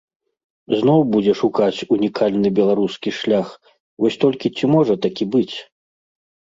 Зноў будзе шукаць унікальны беларускі шлях, вось толькі ці можа такі быць?